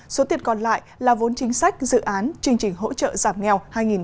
số tiền còn lại là vốn chính sách dự án chương trình hỗ trợ giảm nghèo hai nghìn một mươi sáu hai nghìn hai mươi